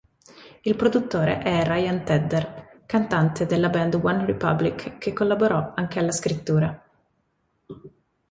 Il produttore è Ryan Tedder, cantante della band OneRepublic, che collaborò anche alla scrittura.